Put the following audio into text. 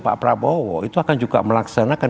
pak prabowo itu akan juga melaksanakan